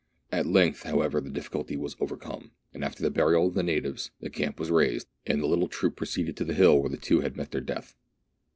At length, however, the difficulty was overcome, and after the burial of the natives, the camp was raised, and the little troop proceeded to the hill where the two had met their death.